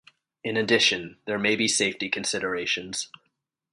In addition, there may be safety considerations.